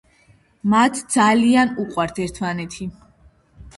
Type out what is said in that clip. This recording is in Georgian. მათ ძალიან უყვართ ერთმანეთი.